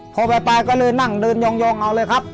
พอบ่ายก็เลยนั่งเดินยองเอาเลยครับ